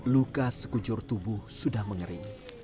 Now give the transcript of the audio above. luka sekujur tubuh sudah mengering